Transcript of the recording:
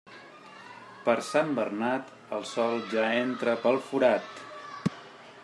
Per Sant Bernat, el sol ja entra pel forat.